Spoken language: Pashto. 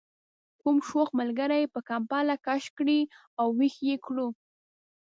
کوم شوخ ملګري به کمپله کش کړې او ویښ یې کړو.